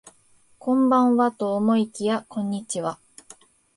こんばんはと思いきやこんにちは